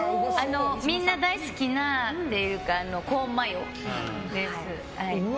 みんな大好きなっていうかコーン＆マヨです。